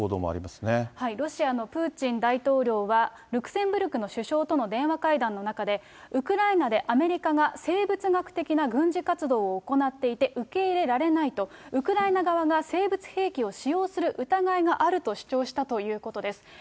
ロシアのプーチン大統領は、ルクセンブルクの首相との電話会談の中で、ウクライナでアメリカが生物学的な軍事活動を行っていて受け入れられないと、ウクライナ側が生物兵器を使用する疑いがあると主張したということです。